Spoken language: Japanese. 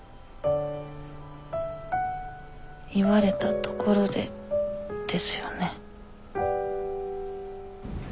言われたところでですよね。